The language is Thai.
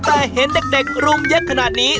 แต่เห็นเด็กรุมเยอะขนาดนี้